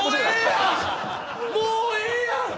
もうええやん